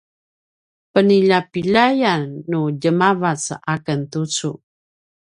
peniljapiljayan nu djemavac a ken tucu